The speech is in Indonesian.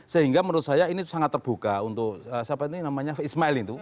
sehingga menurut saya ini sangat terbuka untuk siapa ini namanya ismail itu